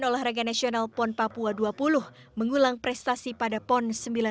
olahraga nasional pon papua dua puluh mengulang prestasi pada pon sembilan puluh